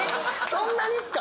そんなにっすか？